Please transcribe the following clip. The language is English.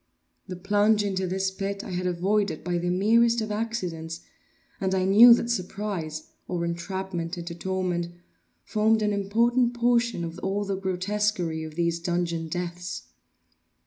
The plunge into this pit I had avoided by the merest of accidents, I knew that surprise, or entrapment into torment, formed an important portion of all the grotesquerie of these dungeon deaths.